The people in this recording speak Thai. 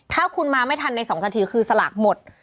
ถ้าคุณมาไม่ทันใน๒นาทีคือสลากหมด